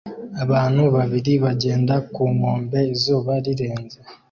Abantu babiri bagenda ku nkombe izuba rirenze